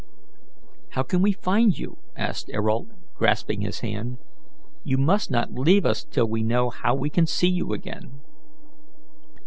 "How can we find you? " asked Ayrault, grasping his hand. "You must not leave us till we know how we can see you again."